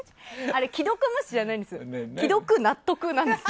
あれ既読無視じゃないんです。